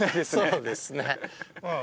そうですね